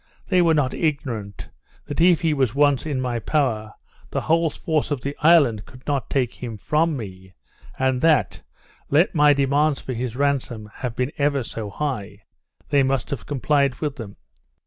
They were not ignorant, that if he was once in my power, the whole force of the island could not take him from me, and that, let my demands for his ransom have been ever so high, they must have complied with them.